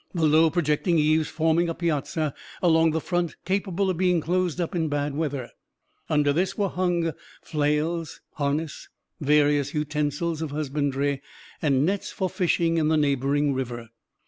The low projecting eaves forming a piazza along the front capable of being closed up in bad weather. Under this were hung flails, harness, various utensils of husbandry, and nets for fishing in the neighboring river.